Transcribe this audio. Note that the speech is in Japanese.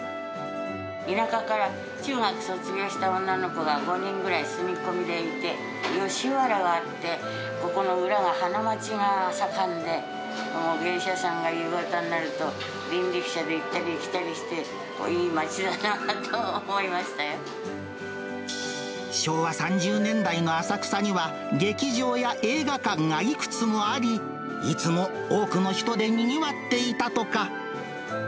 田舎から中学卒業した女の子が５人ぐらい住み込みでいて、吉原があって、ここの裏は花街が盛んで、芸者さんが夕方になると、人力車で行ったり来たりして、昭和３０年代の浅草には、劇場や映画館がいくつもあり、いつも多くの人でにぎわっていたとか。